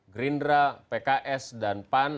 gerindra pks dan pan